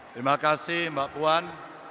terima kasih mbak puan